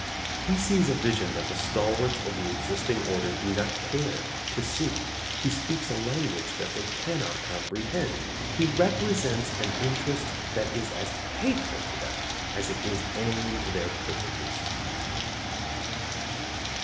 He sees a vision that the stalwarts of the existing order do not care to see; he speaks a language that they cannot comprehend; he represents an interest that is as hateful to them as it is alien to their privileges.